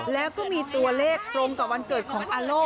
แล้วก็มีตัวเลขตรงกับวันเกิดของอาโล่